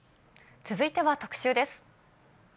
続いては特集です。